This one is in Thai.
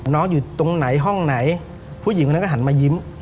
อยู่ตรงไหนห้องไหนผู้หญิงคนนั้นก็หันมายิ้ม